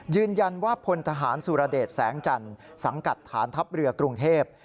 ยืนยันว่าพลทหารสุรเดชแสงจันทร์สังกัดฐานทัพเรือกรุงเทพ